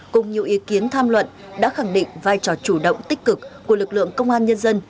cùng nhiều ý kiến tham luận đã khẳng định vai trò chủ động tích cực của lực lượng công an nhân dân